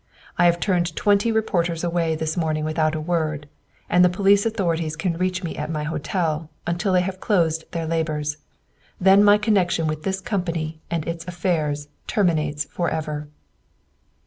I have turned twenty reporters away this morning without a word, and the police authorities can reach me at my hotel, until they have closed their labors. Then my connection with this company and its affairs terminates forever."